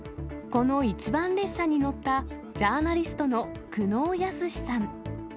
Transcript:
この一番列車に乗ったジャーナリストの久能靖さん。